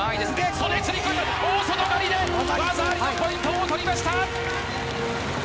袖釣り込み、大外刈りで、技ありのポイントを取りました。